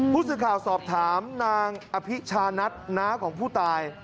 ผู้สื่อข่าวสอบถามนางอภิชานัทน้าของผู้ตาย